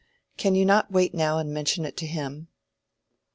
Can you not wait now and mention it to him?"